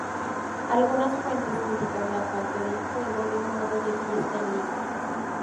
Algunas fuentes criticaron la falta del juego de un modo de fiesta en línea.